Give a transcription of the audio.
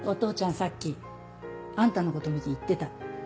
さっきあんたのこと見て言ってた。